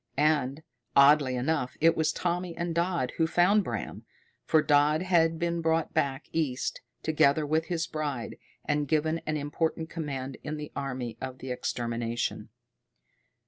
And, oddly enough, it was Tommy and Dodd who found Bram. For Dodd had been brought back east, together with his bride, and given an important command in the Army of Extermination.